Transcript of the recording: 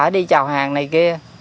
đi chào hàng này kia